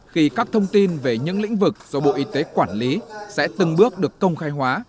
khi các thông tin về những lĩnh vực do bộ y tế quản lý sẽ từng bước được công khai hóa